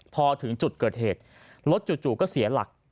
พอถึงจุดเกิดเหตุรถจู่ก็เสียหลัก